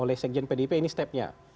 oleh sekjen pdip ini stepnya